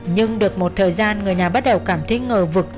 nhưng được một thời gian người nhà bắt đầu cảm thấy ngờ vực